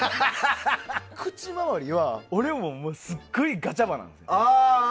口周りは俺もすっごいガチャ歯なんですよ。